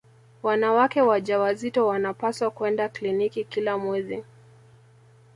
wanawake wajawazito wanapaswa kwenda kliniki kila mwezi